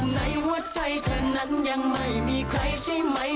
ในหัวใจเธอนั้นยังไม่มีใครใช่ไหม